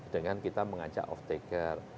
dengan kita mengajak off taker